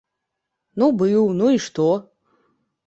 Ну быў, ну і што?